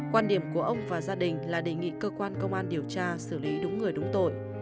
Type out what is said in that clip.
quan điểm của ông và gia đình là đề nghị cơ quan công an điều tra xử lý đúng người đúng tội